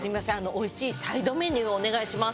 おいしいサイドメニューをお願いします。